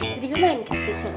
jadi gue main ke sini